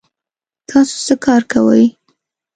تاسو څه کار کوئ؟